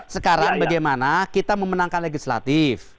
sekarang bagaimana kita memenangkan legislatif